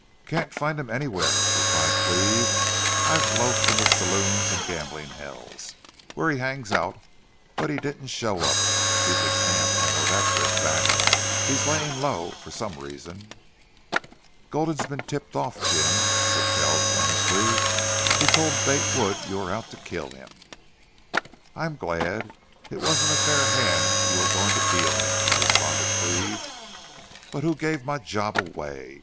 "Can't find him anywhere," replied Cleve. "I've loafed in the saloons and gambling hells where he hangs out. But he didn't show up. He's in camp. I know that for a fact. He's laying low for some reason." "Gulden's been tipped off, Jim," said Kells, earnestly. "He told Bate Wood you were out to kill him." "I'm glad. It wasn't a fair hand you were going to deal him," responded Cleve. "But who gave my job away?